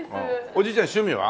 おじいちゃん趣味は？